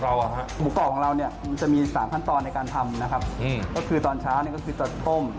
ถึงขั้นตอนในการทอดให้กรอบ